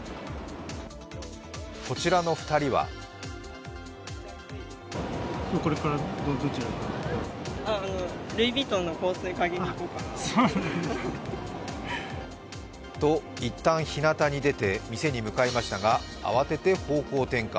こちらの２人はと、いったんひなたに出て店に向かいましたが慌てて方向転換。